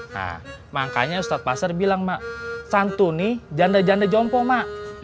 nah makanya ustadz pasar bilang mak santu nih janda janda jompo mak